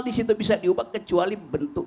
di situ bisa diubah kecuali bentuk